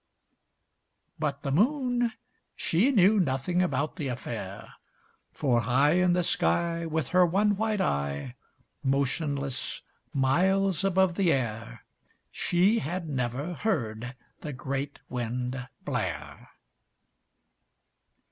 But the Moon, she knew nothing about the affair, For high In the sky, With her one white eye, Motionless, miles above the air, She had never heard the great Wind blare.